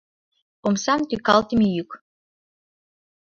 Омсам тӱкалтыме йӱк.